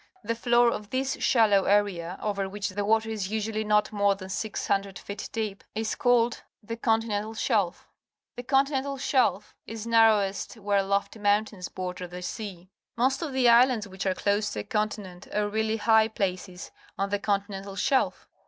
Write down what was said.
The floor of this shallow area, o\er which the water is us ually not more tlian (iOO feet deep, is called the conti nental slulj. The continental shelf is.nar^ rowest where lofty moun tains border the sea. ^lost of the islands which are clo.se to a continent are really high places on the continental shel f.